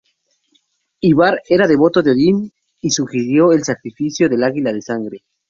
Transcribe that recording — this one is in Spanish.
Ivar era devoto de Odín y sugirió el sacrificio del águila de sangre.